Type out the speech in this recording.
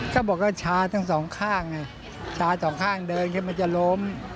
ก็บอกว่าชาติทั้งสองข้างชาติของข้างเดินขึ้นมันจะล้ม